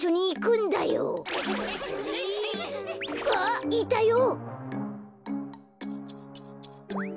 あっいたよ！